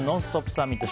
サミット。